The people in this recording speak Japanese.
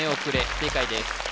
正解です